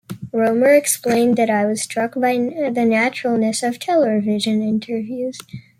Rohmer explained that I was struck by the naturalness of television interviews.